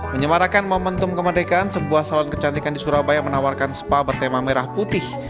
menyemarakan momentum kemerdekaan sebuah salon kecantikan di surabaya menawarkan spa bertema merah putih